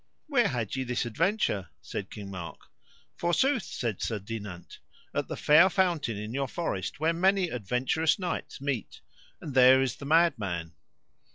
Where had ye this adventure? said King Mark. Forsooth, said Sir Dinant, at the fair fountain in your forest where many adventurous knights meet, and there is the mad man.